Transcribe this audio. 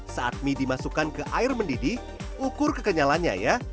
saat mie dimasukkan ke air mendidih ukur kekenyalannya ya